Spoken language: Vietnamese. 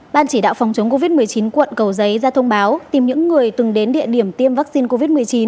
ban chỉ đạo phòng chống covid một mươi chín quận cầu giấy ra thông báo tìm những người từng đến địa điểm tiêm vaccine covid một mươi chín